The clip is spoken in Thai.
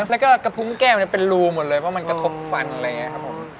แล้วก็กระพุงแก้วเป็นรูหมดเลยเพราะมันกระทบฟันอะไรอย่างนี้ครับผม